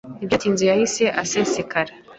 Ntibyatinze yahise ahasesekara.